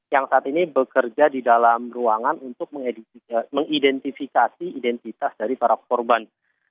yang saat ini bekerja di dalam ruangan untuk mengidentifikasi identitas dari para korban